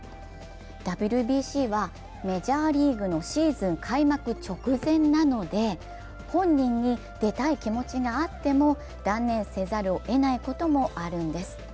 ＷＢＣはメジャーリーグのシーズン開幕直前なので、本人に出たい気持ちがあっても、断念せざるをえないこともあるんです。